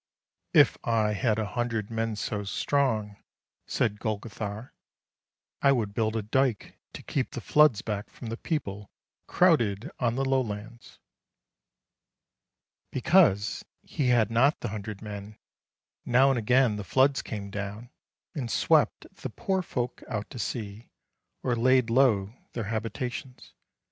" If I had a hundred men so strong," said Golgothar, " I would build a dyke to keep the floods back from the people crowded on the lowlands." Because he had not the hundred men, now and again the floods came down, and swept the poor folk out to sea, or laid low their habitations.